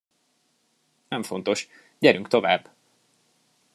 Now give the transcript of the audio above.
Nem fontos, gyerünk tovább!